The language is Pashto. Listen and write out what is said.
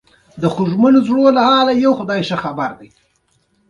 غریب له دنیا نه تېر شوی وي